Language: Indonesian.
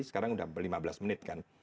sekarang udah lima belas menit kan